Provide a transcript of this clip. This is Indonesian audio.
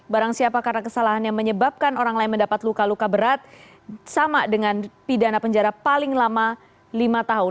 barang siapa karena kesalahan yang menyebabkan orang lain mendapat luka luka berat sama dengan pidana penjara paling lama lima tahun